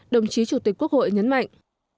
đồng chí chủ tịch quốc hội nhấn mạnh